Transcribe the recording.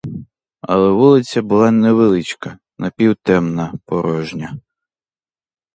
Але вулиця була невеличка, напів темна, порожня.